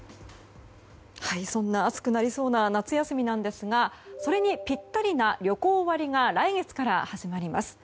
そんな暑くなりそうな夏休みなんですがそれにぴったりな旅行割が来月から始まります。